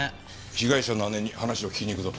被害者の姉に話を聞きに行くぞ。